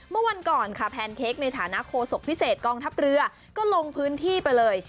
เมื่อวันก่อนค่ะแพนเค้กในฐานะโคศกพิเศษกองทัพเรือก็ลงพื้นที่ไปเลย